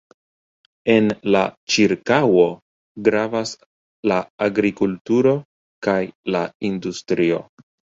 En la ĉirkaŭo gravas la agrikulturo kaj la industrio.